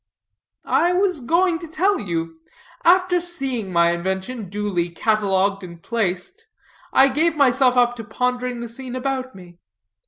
"I was going to tell you. After seeing my invention duly catalogued and placed, I gave myself up to pondering the scene about me.